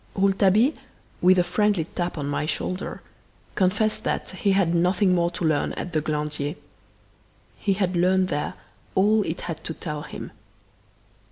Rouletabille, with a friendly tap on my shoulder, confessed that he had nothing more to learn at the Glandier; he had learned there all it had to tell him.